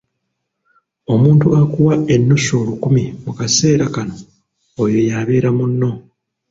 Omuntu akuwa ennusu olukumi mu kaseera kano oyo y’abeera munno.